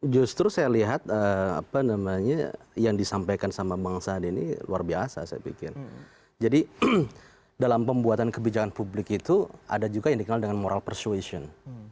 justru saya lihat apa namanya yang disampaikan sama bang sandi ini luar biasa saya pikir jadi dalam pembuatan kebijakan publik itu ada juga yang dikenal dengan moral persuasion